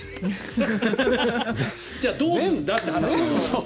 じゃあどうすんだって話よ。